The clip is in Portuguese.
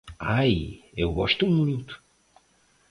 Ai, eu gosto muito